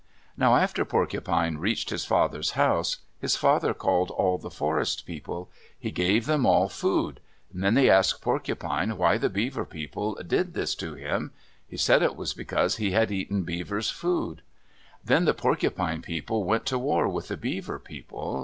Now after Porcupine reached his father's house, his father called all the Forest People. He gave them all food. Then they asked Porcupine why the Beaver people did this to him. He said it was because he had eaten Beaver's food. Then the Porcupine people went to war with the Beaver people.